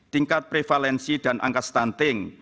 tingkat prevalensi dan angka stunting